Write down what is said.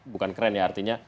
bukan keren ya artinya